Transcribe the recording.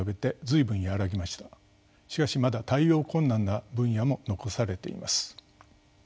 しかしまだ対応困難な分野も残されています。